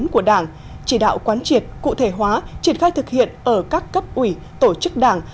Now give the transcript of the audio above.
của đảng chỉ đạo quán triệt cụ thể hóa triệt khai thực hiện ở các cấp ủy tổ chức đảng